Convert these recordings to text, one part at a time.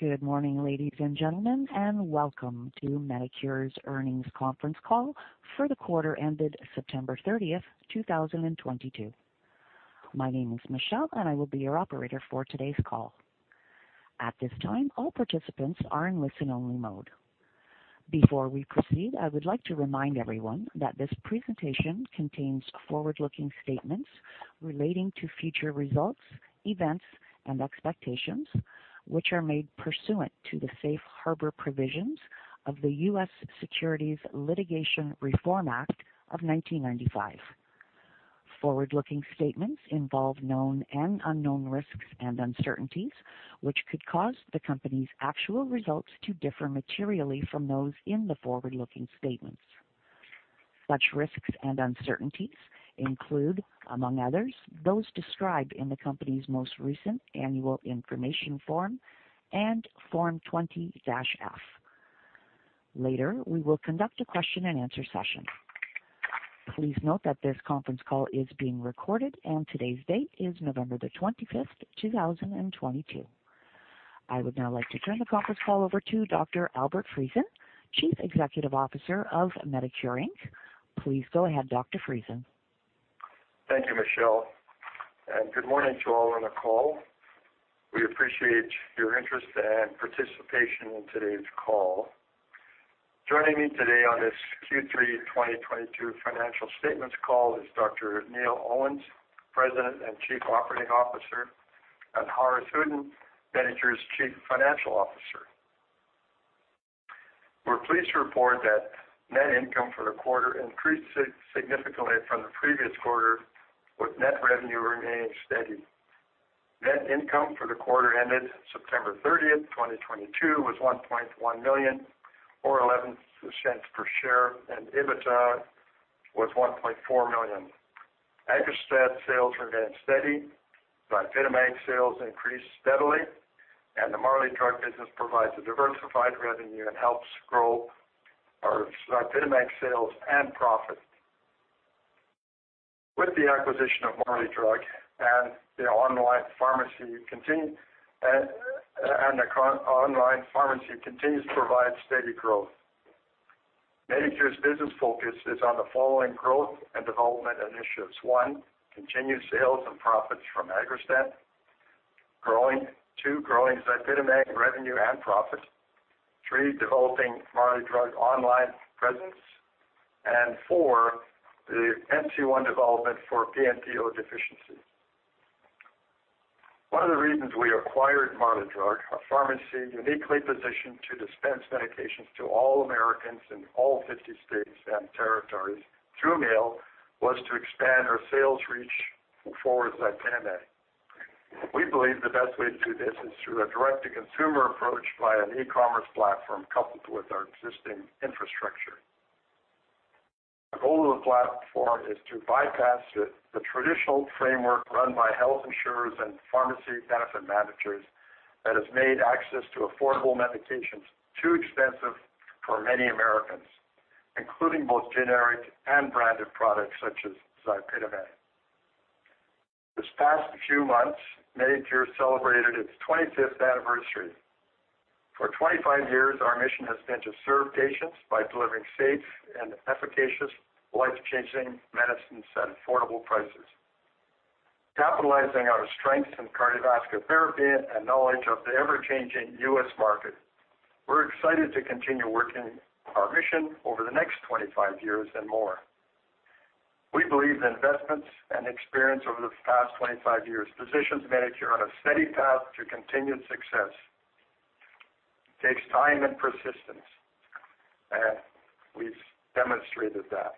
Good morning, ladies and gentlemen, and welcome to Medicure's Earnings Conference Call for the quarter ended September 30, 2022. My name is Michelle, I will be your operator for today's call. At this time, all participants are in listen-only mode. Before we proceed, I would like to remind everyone that this presentation contains forward-looking statements relating to future results, events, and expectations, which are made pursuant to the Safe Harbor provisions of the U.S. Securities Litigation Reform Act of 1995. Forward-looking statements involve known and unknown risks and uncertainties, which could cause the company's actual results to differ materially from those in the forward-looking statements. Such risks and uncertainties include, among others, those described in the company's most recent annual information form and Form 20-F. Later, we will conduct a question-and-answer session. Please note that this conference call is being recorded, and today's date is November the 25th, 2022. I would now like to turn the conference call over to Dr. Albert Friesen, Chief Executive Officer of Medicure Inc. Please go ahead, Dr. Friesen. Thank you, Michelle, good morning to all on the call. We appreciate your interest and participation in today's call. Joining me today on this Q3 2022 financial statements call is Dr. Neil Owens, President and Chief Operating Officer, and Haaris Uddin, Medicure's Chief Financial Officer. We're pleased to report that net income for the quarter increased significantly from the previous quarter, with net revenue remaining steady. Net income for the quarter ended September 30, 2022 was $1.1 million, or $0.11 per share, and EBITDA was $1.4 million. AGGRASTAT sales remained steady, ZYPITAMAG sales increased steadily, and the Marley Drug business provides a diversified revenue and helps grow our ZYPITAMAG sales and profit. With the acquisition of Marley Drug and the online pharmacy continues to provide steady growth. Medicure's business focus is on the following growth and development initiatives. One, continued sales and profits from AGGRASTAT growing. Two, growing ZYPITAMAG revenue and profit. Three, developing Marley Drug online presence. Four, the MC-1 development for PNPO deficiency. One of the reasons we acquired Marley Drug, a pharmacy uniquely positioned to dispense medications to all Americans in all 50 states and territories through mail, was to expand our sales reach for ZYPITAMAG. We believe the best way to do this is through a direct-to-consumer approach by an e-commerce platform coupled with our existing infrastructure. The goal of the platform is to bypass the traditional framework run by health insurers and pharmacy benefit managers that has made access to affordable medications too expensive for many Americans, including both generic and branded products such as ZYPITAMAG. This past few months, Medicure celebrated its 25th anniversary. For 25 years, our mission has been to serve patients by delivering safe and efficacious life-changing medicines at affordable prices. Capitalizing on our strengths in cardiovascular therapy and knowledge of the ever-changing U.S. market, we're excited to continue working our mission over the next 25 years and more. We believe the investments and experience over the past 25 years positions Medicure on a steady path to continued success. It takes time and persistence, and we've demonstrated that.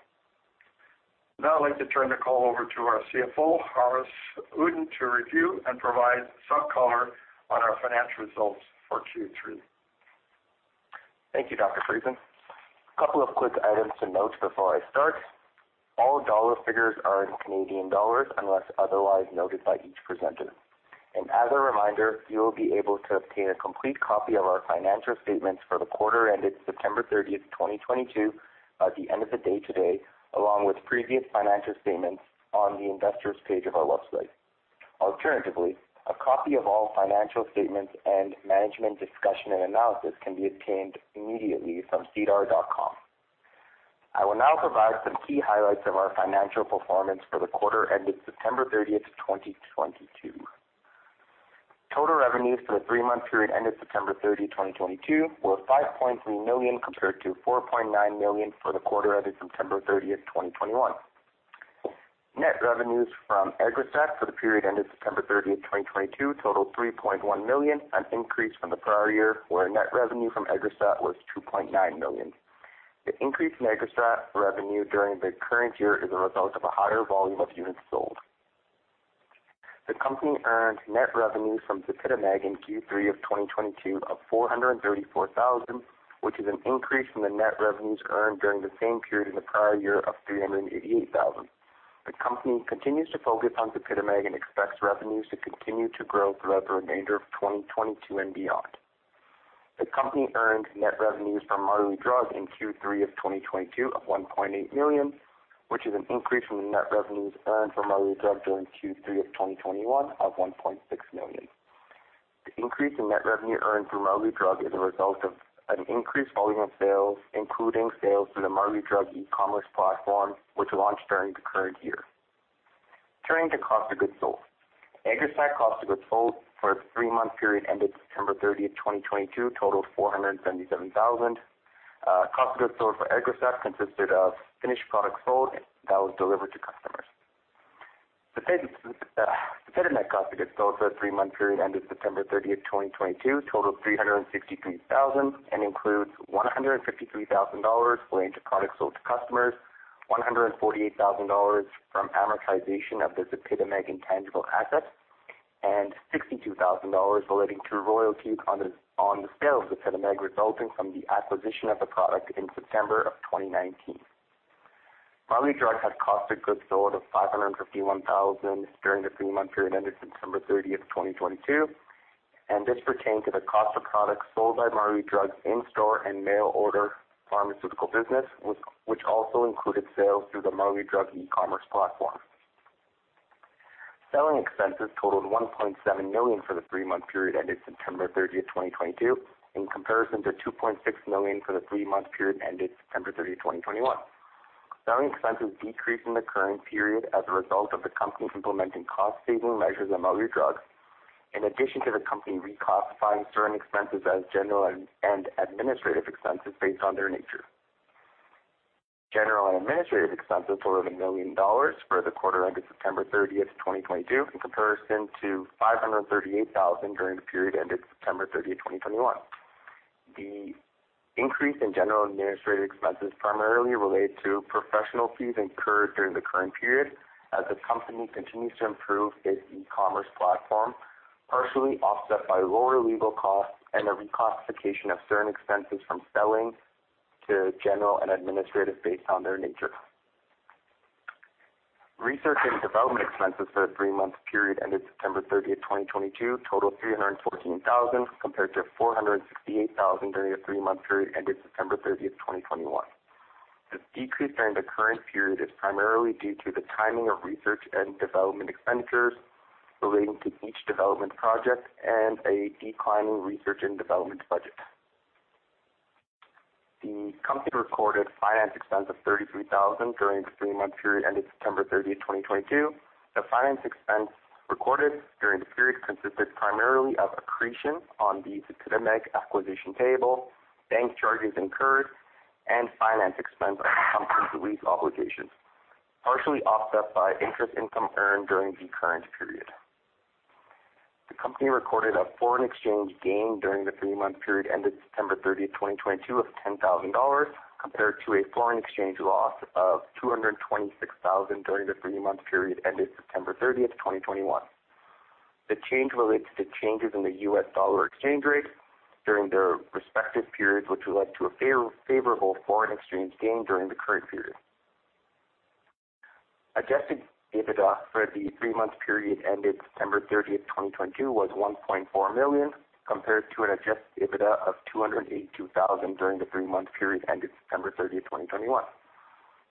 Now I'd like to turn the call over to our CFO, Haaris Uddin, to review and provide some color on our financial results for Q3. Thank you, Dr. Friesen. A couple of quick items to note before I start. All dollar figures are in Canadian dollars unless otherwise noted by each presenter. As a reminder, you will be able to obtain a complete copy of our financial statements for the quarter ended September 30, 2022 at the end of the day today, along with previous financial statements on the Investors page of our website. Alternatively, a copy of all financial statements and management discussion and analysis can be obtained immediately from sedar.com. I will now provide some key highlights of our financial performance for the quarter ended September 30, 2022. Total revenues for the three-month period ended September 30, 2022 were 5.3 million compared to 4.9 million for the quarter ended September 30, 2021. Net revenues from AGGRASTAT for the period ended September thirtieth, 2022 totaled $3.1 million, an increase from the prior year, where net revenue from AGGRASTAT was $2.9 million. The increase in AGGRASTAT revenue during the current year is a result of a higher volume of units sold. The company earned net revenue from ZYPITAMAG in Q3 of 2022 of $434,000, which is an increase from the net revenues earned during the same period in the prior year of $388,000. The company continues to focus on ZYPITAMAG and expects revenues to continue to grow throughout the remainder of 2022 and beyond. The company earned net revenues from Marley Drug in Q3 of 2022 of $1.8 million, which is an increase from the net revenues earned from Marley Drug during Q3 of 2021 of $1.6 million. The increase in net revenue earned through Marley Drug is a result of an increased volume of sales, including sales through the Marley Drug e-commerce platform, which launched during the current year. Turning to cost of goods sold. AGGRASTAT cost of goods sold for a three-month period ended September 30th, 2022 totaled $477,000. Cost of goods sold for AGGRASTAT consisted of finished products sold that was delivered to customers. The ZYPITAMAG cost of goods sold for a three-month period ended September thirtieth, 2022 totaled $363,000 and includes $153,000 relating to products sold to customers, $148,000 from amortization of the ZYPITAMAG intangible asset, and $62,000 relating to royalty on the sale of ZYPITAMAG resulting from the acquisition of the product in September 2019. Marley Drug had cost of goods sold of $551,000 during the three-month period ended September thirtieth, 2022. This pertained to the cost of products sold by Marley Drug in store and mail order pharmaceutical business, which also included sales through the Marley Drug e-commerce platform. Selling expenses totaled 1.7 million for the three-month period ended September 30, 2022, in comparison to 2.6 million for the three-month period ended September 30, 2021. Selling expenses decreased in the current period as a result of the company implementing cost saving measures at Marley Drug, in addition to the company reclassifying certain expenses as general and administrative expenses based on their nature. General and administrative expenses totaled 1 million dollars for the quarter ended September 30, 2022, in comparison to 538,000 during the period ended September 30, 2021. The increase in general and administrative expenses primarily relate to professional fees incurred during the current period as the company continues to improve its e-commerce platform, partially offset by lower legal costs and a reclassification of certain expenses from selling to general and administrative based on their nature. Research and development expenses for the three-month period ended September 30, 2022 totaled $314,000, compared to $468,000 during the three-month period ended September 30, 2021. The decrease during the current period is primarily due to the timing of research and development expenditures relating to each development project and a decline in research and development budget. The company recorded finance expense of $33,000 during the three-month period ending September 30, 2022. The finance expense recorded during the period consisted primarily of accretion on the ZYPITAMAG acquisition payable, bank charges incurred, and finance expense on the company's lease obligations, partially offset by interest income earned during the current period. The company recorded a foreign exchange gain during the three-month period ended September 30, 2022 of $10,000, compared to a foreign exchange loss of $226,000 during the three-month period ended September 30, 2021. The change relates to changes in the US dollar exchange rate during their respective periods, which led to a fair-favorable foreign exchange gain during the current period. Adjusted EBITDA for the three-month period ended September 30, 2022 was $1.4 million, compared to an Adjusted EBITDA of $282,000 during the three-month period ended September 30, 2021.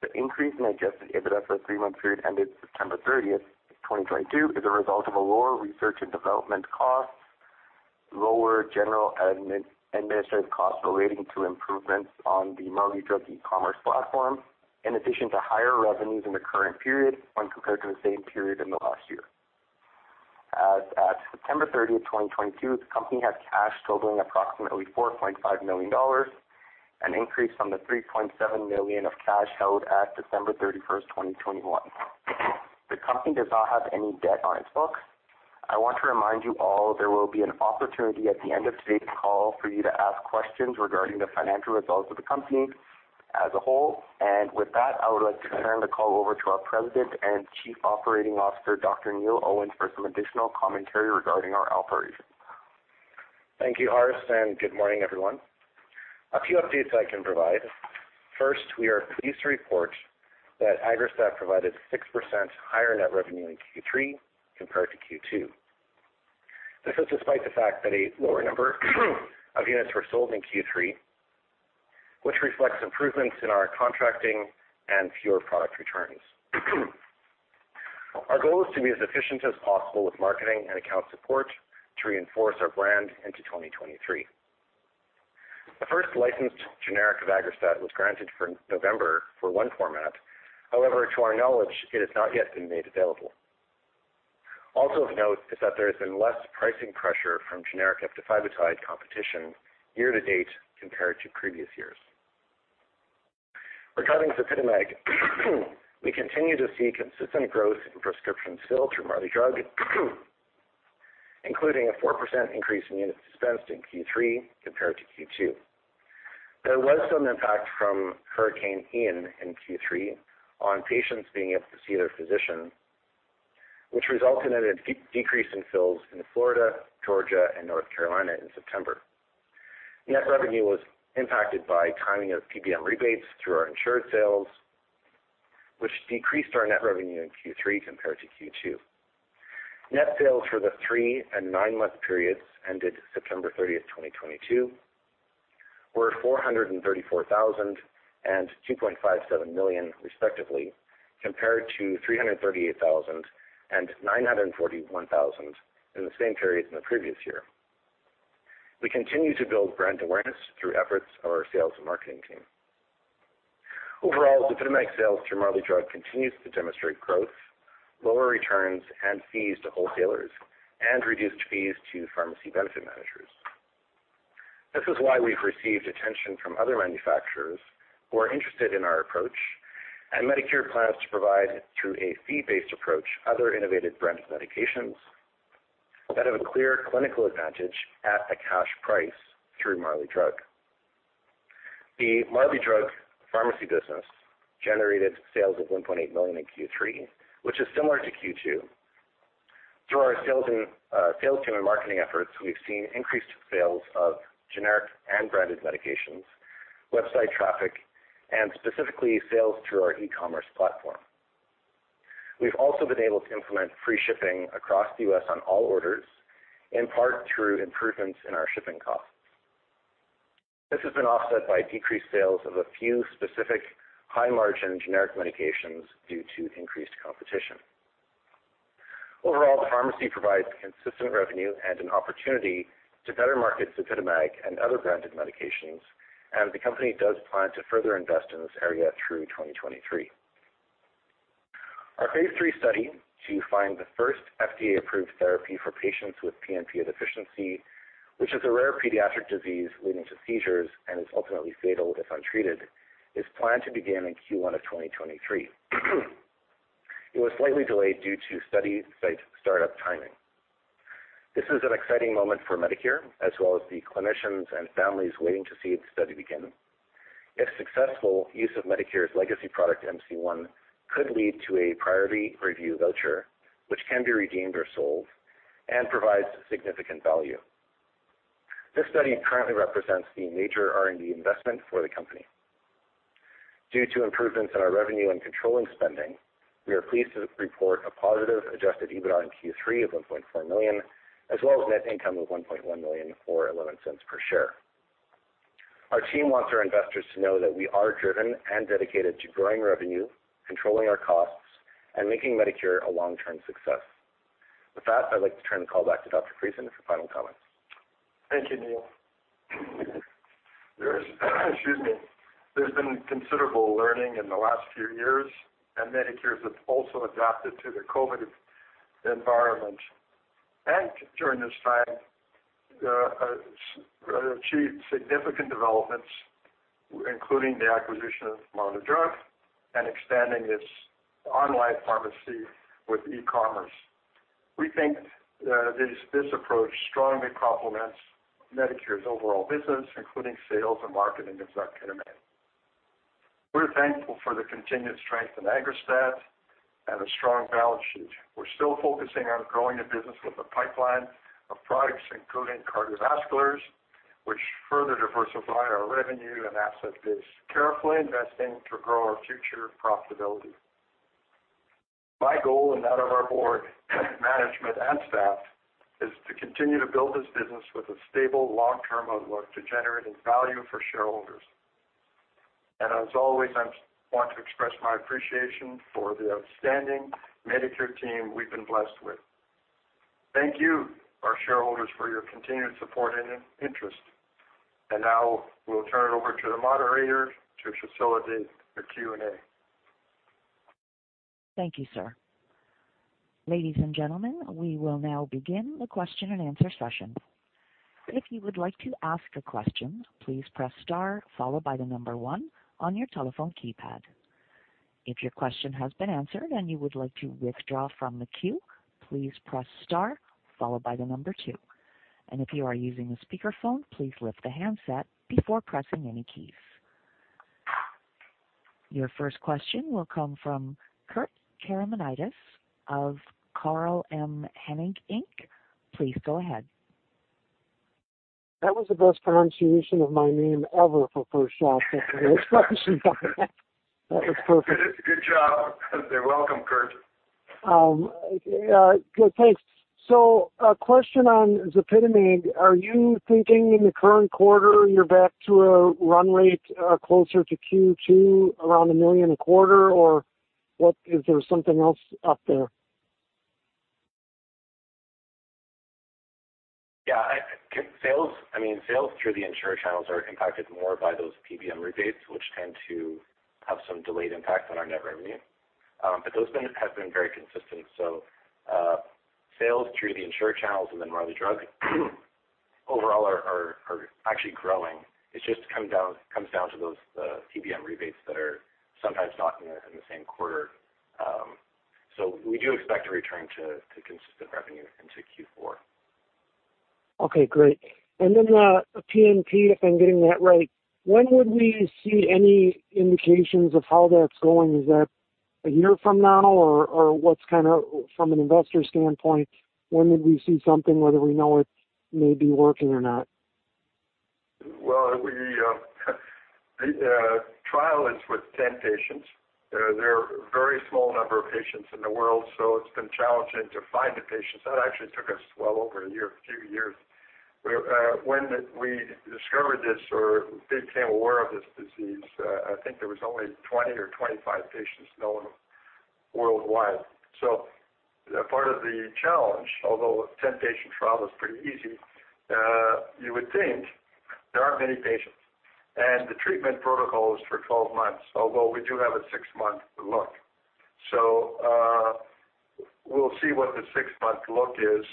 The increase in adjusted EBITDA for the three-month period ended September 30th, 2022 is a result of a lower research and development costs, lower general administrative costs relating to improvements on the Marley Drug e-commerce platform, in addition to higher revenues in the current period when compared to the same period in the last year. As at September 30th, 2022, the company had cash totaling approximately $4.5 million, an increase from the $3.7 million of cash held at December 31st, 2021. The company does not have any debt on its books. I want to remind you all there will be an opportunity at the end of today's call for you to ask questions regarding the financial results of the company as a whole. With that, I would like to turn the call over to our President and Chief Operating Officer, Dr. Neil Owens, for some additional commentary regarding our operation. Thank you, Haaris. Good morning, everyone. A few updates I can provide. First, we are pleased to report that AGGRASTAT provided 6% higher net revenue in Q3 compared to Q2. This is despite the fact that a lower number of units were sold in Q3, which reflects improvements in our contracting and fewer product returns. Our goal is to be as efficient as possible with marketing and account support to reinforce our brand into 2023. The first licensed generic of AGGRASTAT was granted for November for one format. To our knowledge, it has not yet been made available. Of note is that there has been less pricing pressure from generic eptifibatide competition year to date compared to previous years. Regarding ZYPITAMAG, we continue to see consistent growth in prescription fills through Marley Drug, including a 4% increase in units dispensed in Q3 compared to Q2. There was some impact from Hurricane Ian in Q3 on patients being able to see their physician, which resulted in a decrease in fills in Florida, Georgia, and North Carolina in September. Net revenue was impacted by timing of PBM rebates through our insured sales, which decreased our net revenue in Q3 compared to Q2. Net sales for the three and nine-month periods ended September 30th, 2022 were $434,000 and $2.57 million respectively, compared to $338,000 and $941,000 in the same period in the previous year. We continue to build brand awareness through efforts of our sales and marketing team. Overall, ZYPITAMAG sales through Marley Drug continues to demonstrate growth, lower returns and fees to wholesalers, and reduced fees to pharmacy benefit managers. This is why we've received attention from other manufacturers who are interested in our approach and Medicure plans to provide through a fee-based approach other innovative branded medications that have a clear clinical advantage at a cash price through Marley Drug. The Marley Drug pharmacy business generated sales of $1.8 million in Q3, which is similar to Q2. Through our sales and sales team and marketing efforts, we've seen increased sales of generic and branded medications, website traffic, and specifically sales through our e-commerce platform. We've also been able to implement free shipping across the U.S. on all orders, in part through improvements in our shipping costs. This has been offset by decreased sales of a few specific high-margin generic medications due to increased competition. Overall, the pharmacy provides consistent revenue and an opportunity to better market ZYPITAMAG and other branded medications. The company does plan to further invest in this area through 2023. Our phase IIII study to find the first FDA-approved therapy for patients with PNPO deficiency, which is a rare pediatric disease leading to seizures and is ultimately fatal if untreated, is planned to begin in Q1 of 2023. It was slightly delayed due to study site startup timing. This is an exciting moment for Medicure, as well as the clinicians and families waiting to see the study begin. If successful, use of Medicure's legacy product, MC-1, could lead to a priority review voucher, which can be redeemed or sold and provides significant value. This study currently represents the major R&D investment for the company. Due to improvements in our revenue and controlling spending, we are pleased to report a positive adjusted EBITDA in Q3 of $1.4 million, as well as net income of $1.1 million or $0.11 per share. Our team wants our investors to know that we are driven and dedicated to growing revenue, controlling our costs, and making Medicure a long-term success. With that, I'd like to turn the call back to Dr. Friesen for final comments. Thank you, Neil. Excuse me. There's been considerable learning in the last few years. Medicure has also adapted to the COVID environment. During this time, achieved significant developments, including the acquisition of Marley Drug and expanding its online pharmacy with e-commerce. We think this approach strongly complements Medicure's overall business, including sales and marketing of ZYPITAMAG. We're thankful for the continued strength in AGGRASTAT and a strong balance sheet. We're still focusing on growing the business with a pipeline of products, including cardiovasculars, which further diversify our revenue and asset base, carefully investing to grow our future profitability. My goal and that of our board management and staff is to continue to build this business with a stable long-term outlook to generating value for shareholders. As always, I want to express my appreciation for the outstanding Medicure team we've been blessed with. Thank you, our shareholders, for your continued support and in-interest. Now we'll turn it over to the moderator to facilitate the Q&A. Thank you, sir. Ladies and gentlemen, we will now begin the question-and-answer session. If you would like to ask a question, please press star followed by one on your telephone keypad. If your question has been answered and you would like to withdraw from the queue, please press star followed by two. If you are using a speakerphone, please lift the handset before pressing any keys. Your first question will come from Kurt Caramanidis of Carl M. Hennig, Inc. Please go ahead. That was the best pronunciation of my name ever for first shot. That was perfect. Good job. You're welcome, Kurt. Good, thanks. A question on ZYPITAMAG. Are you thinking in the current quarter, you're back to a run rate closer to Q2 around 1 million a quarter? Is there something else up there? Sales, I mean, sales through the insurer channels are impacted more by those PBM rebates, which tend to have some delayed impact on our net revenue. Those have been very consistent. Sales through the insurer channels and then Marley Drug overall are actually growing. It just comes down to those PBM rebates that are sometimes not in the same quarter. We do expect to return to consistent revenue into Q4. Okay, great. Then, PNPO, if I'm getting that right, when would we see any indications of how that's going? Is that a year from now? Or, what's kind of from an investor standpoint, when would we see something, whether we know it may be working or not? We, the trial is with 10 patients. There are very small number of patients in the world, so it's been challenging to find the patients. That actually took us well over a year, a few years. When we discovered this or became aware of this disease, I think there was only 20 or 25 patients known worldwide. Part of the challenge, although a 10-patient trial is pretty easy, you would think there aren't many patients. The treatment protocol is for 12 months, although we do have a 6-month look. We'll see what the six-month look is.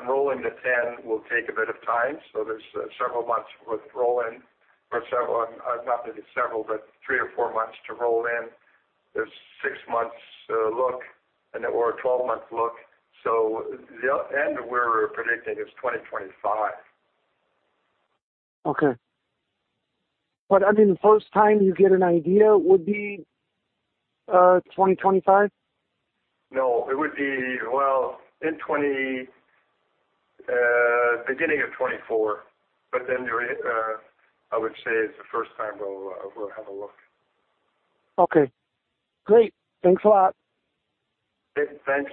Enrolling the 10 will take a bit of time, so there's several months with roll-in or three or four months to roll in. There's six months, look and or a 12-month look. The end we're predicting is 2025. Okay. I mean, the first time you get an idea would be, 2025? No, it would be, well, beginning of 2024. There is, I would say it's the first time we'll have a look. Okay, great. Thanks a lot. Okay, thanks.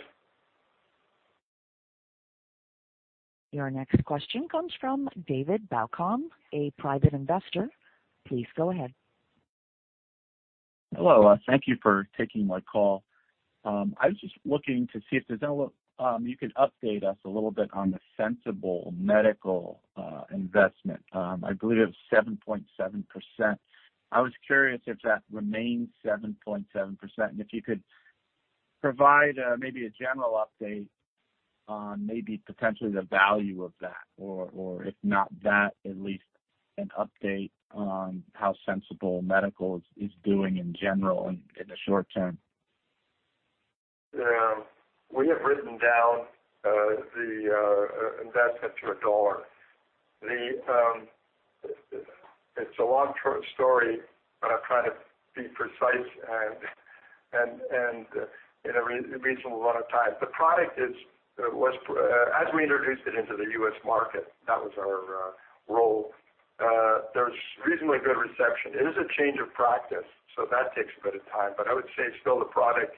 Your next question comes from David Balcom, a private investor. Please go ahead. Hello. Thank you for taking my call. I was just looking to see if there's you could update us a little bit on the Sensible Medical investment. I believe it was 7.7%. I was curious if that remains 7.7%, and if you could provide maybe a general update on maybe potentially the value of that, or if not that, at least an update on how Sensible Medical is doing in general in the short term. Yeah. We have written down the investment to $1. The, it's a long story. I'll try to be precise and in a reasonable amount of time. The product is, was, as we introduced it into the U.S. market, that was our role. There's reasonably good reception. It is a change of practice, so that takes a bit of time. I would say still the product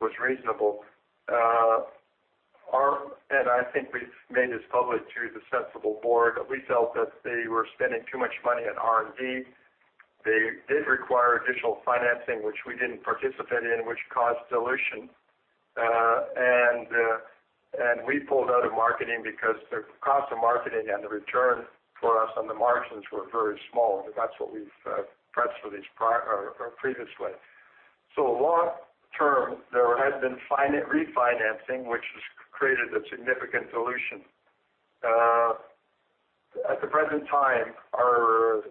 was reasonable. Our, and I think we've made this public through the Sensible board. We felt that they were spending too much money on R&D. They did require additional financing, which we didn't participate in, which caused dilution. We pulled out of marketing because the cost of marketing and the return for us on the margins were very small. That's what we've pressed for these previously. Long term, there has been refinancing, which has created a significant dilution. At the present time, our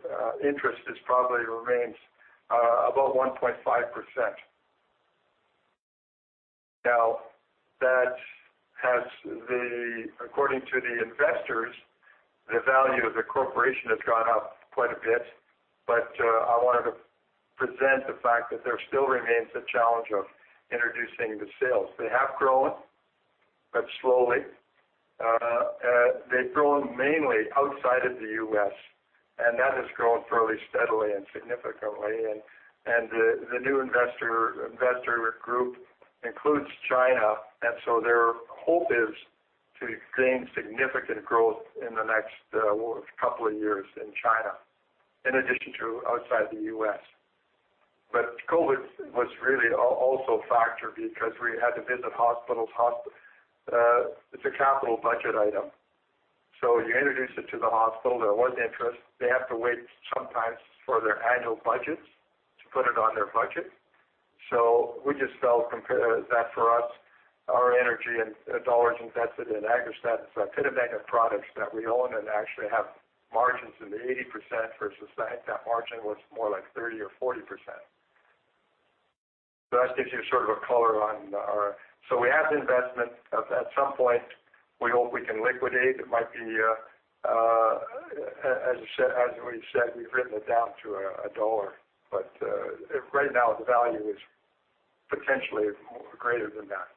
interest is probably remains about 1.5%. That has the according to the investors, the value of the corporation has gone up quite a bit. I wanted to present the fact that there still remains a challenge of introducing the sales. They have grown, but slowly. They've grown mainly outside of the U.S., and that has grown fairly steadily and significantly. The new investor group includes China, their hope is to gain significant growth in the next couple of years in China, in addition to outside the U.S. COVID was really also a factor because we had to visit hospitals, it's a capital budget item. You introduce it to the hospital. There was interest. They have to wait sometimes for their annual budgets to put it on their budget. We just felt compared that for us, our energy and dollars invested in AGGRASTAT could have been in products that we own and actually have margins in the 80% versus I think that margin was more like 30% or 40%. That gives you sort of a color on our. We have the investment. At some point, we hope we can liquidate. It might be, as you said, as we've said, we've written it down to $1. Right now the value is potentially more greater than that.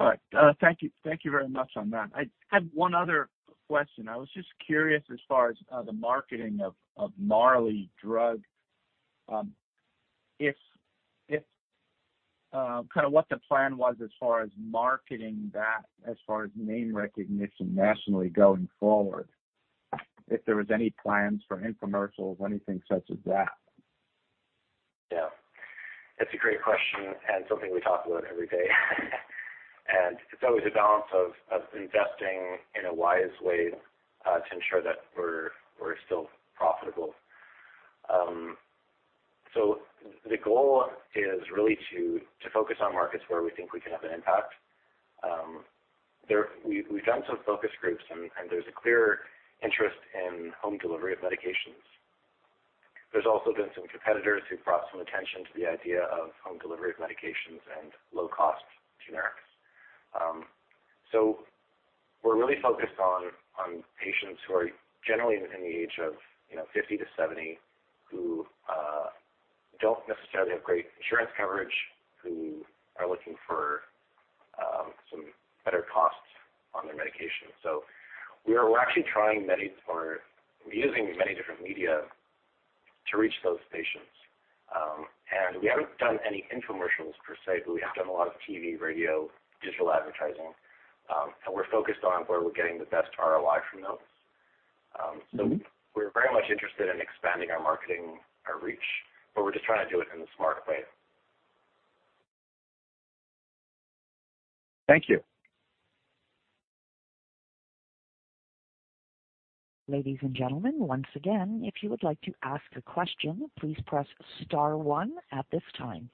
All right. Thank you. Thank you very much on that. I had one other question. I was just curious as far as the marketing of Marley Drug, if kind of what the plan was as far as marketing that, as far as name recognition nationally going forward, if there was any plans for infomercials, anything such as that? Yeah. That's a great question and something we talk about every day. It's always a balance of investing in a wise way to ensure that we're still profitable. The goal is really to focus on markets where we think we can have an impact. We've done some focus groups and there's a clear interest in home delivery of medications. There's also been some competitors who've brought some attention to the idea of home delivery of medications and low-cost generics. We're really focused on patients who are generally within the age of, you know, 50-70, who don't necessarily have great insurance coverage, who are looking for some better costs on their medication. We're actually trying many or using many different media to reach those patients. We haven't done any infomercials per se, but we have done a lot of TV, radio, digital advertising. We're focused on where we're getting the best ROI from those. We're very much interested in expanding our marketing, our reach, but we're just trying to do it in a smart way. Thank you. Ladies and gentlemen, once again, if you would like to ask a question, please press star one at this time.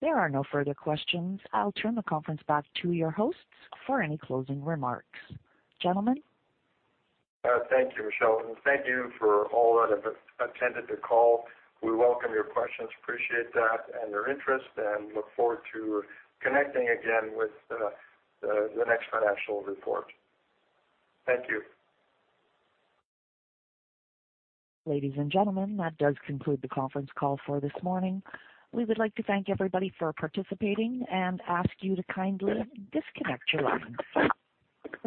There are no further questions. I'll turn the conference back to your hosts for any closing remarks. Gentlemen? Thank you, Michelle. Thank you for all that have attended the call. We welcome your questions. Appreciate that and your interest and look forward to connecting again with the next financial report. Thank you. Ladies and gentlemen, that does conclude the conference call for this morning. We would like to thank everybody for participating and ask you to kindly disconnect your line.